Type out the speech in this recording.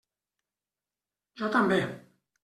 Jo també.